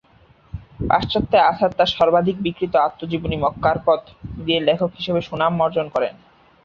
পাশ্চাত্যে আসাদ তাঁর সর্বাধিক বিক্রিত আত্মজীবনী "মক্কার পথ" দিয়ে লেখক হিসাবে সুনাম অর্জন করেন।